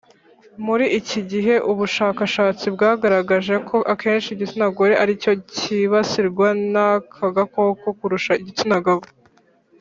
Muri iki gihe, ubushakashatsi bwagaragaje ko akenshi igitsina gore aricyo cyibasirwa n’aka gakoko kurusha igitsina gabo